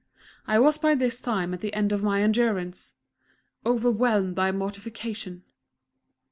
I was by this time at the end of my endurance overwhelmed by mortification....